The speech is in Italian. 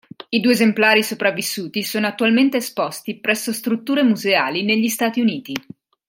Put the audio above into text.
I due esemplari sopravvissuti sono attualmente esposti presso strutture museali negli Stati Uniti.